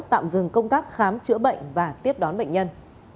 tạm dừng công tác khám chữa bệnh và tiếp đón bệnh nhân